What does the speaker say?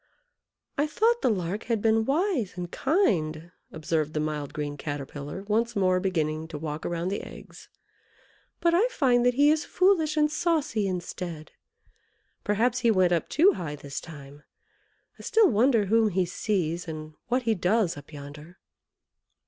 "I thought the Lark had been wise and kind," observed the mild green Caterpillar, once more beginning to walk around the eggs, "but I find that he is foolish and saucy instead. Perhaps he went up too high this time. I still wonder whom he sees, and what he does up yonder."